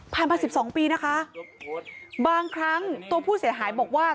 มาสิบสองปีนะคะบางครั้งตัวผู้เสียหายบอกว่า